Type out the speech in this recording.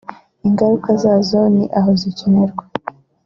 ingaruka zazo n’aho zikinirwa